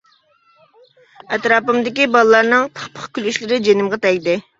ئەتراپىمدىكى بالىلارنىڭ پىخ-پىخ كۈلۈشلىرى جېنىمغا تەگدى.